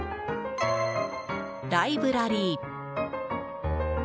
ライブラリー。